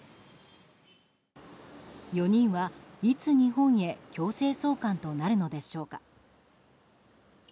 ４人は、いつ日本へ強制送還となるのでしょうか。